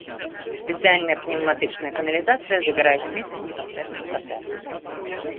Спецыяльная пнеўматычная каналізацыя забірае смецце непасрэдна з кватэр.